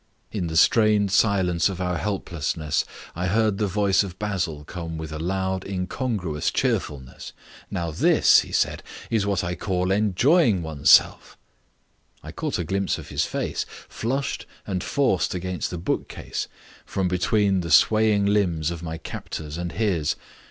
In the strained silence of our helplessness I heard the voice of Basil come with a loud incongruous cheerfulness. "Now this," he said, "is what I call enjoying oneself." I caught a glimpse of his face, flushed and forced against the bookcase, from between the swaying limbs of my captors and his.